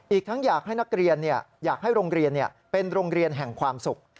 อีกทั้งอยากให้นักเรียนอยากให้โรงเรียนเป็นโรงเรียนแห่งความสุข